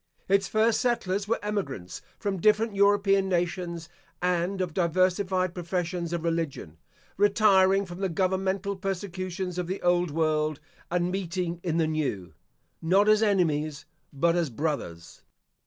Its first settlers were emigrants from different European nations, and of diversified professions of religion, retiring from the governmental persecutions of the old world, and meeting in the new, not as enemies, but as brothers.